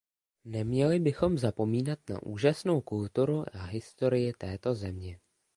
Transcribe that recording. Neměli bychom zapomínat na úžasnou kulturu a historii této země.